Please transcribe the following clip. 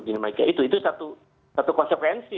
dinama itu itu satu konsepensi